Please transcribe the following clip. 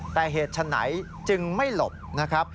แต่เหตุฉะไหนจึงไม่หลบนะครับ